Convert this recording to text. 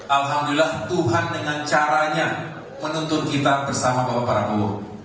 alhamdulillah tuhan dengan caranya menuntut kita bersama bapak prabowo